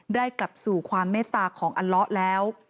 กลับสู่ความเมตตาของอัลละแล้ว